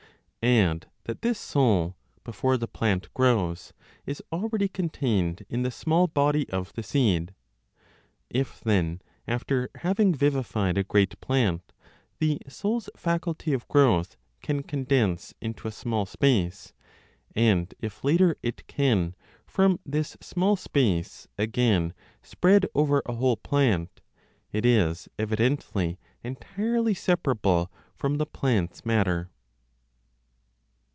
Add that this soul, before the plant grows, is already contained in the small body (of the seed). If then, after having vivified a great plant, the soul's faculty of growth can condense into a small space, and if later it can, from this small space, again spread over a whole plant, it is evidently entirely separable from the (plant's) matter.